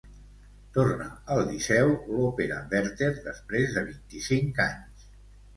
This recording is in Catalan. Torna al Liceu l'òpera "Werther" després de vint-i-cinc anys.